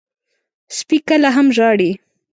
سپي کله هم ژاړي.